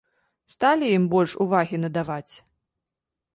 Сталі ім больш увагі надаваць?